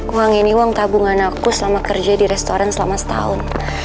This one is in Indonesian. uang ini uang tabungan aku selama kerja di restoran selama setahun